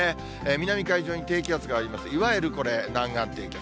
南海上に低気圧がありまして、いわゆるこれ、南岸低気圧。